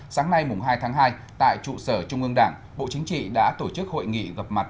sáng nay hai tháng hai tại trụ sở trung ương đảng bộ chính trị đã tổ chức hội nghị gặp mặt